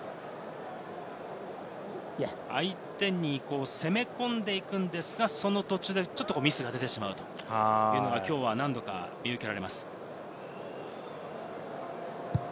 相手に攻め込んでいくのですが、その途中でミスが出てしまうというのがきょうは何度か見受けられます。